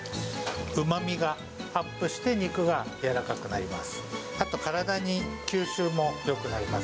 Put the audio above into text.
うまみがアップして、肉がやわらかくなります。